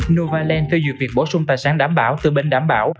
novaland phê duyệt việc bổ sung tài sản đảm bảo từ bên đảm bảo